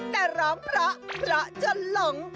แต่ร้องเพราะเพราะจนหลง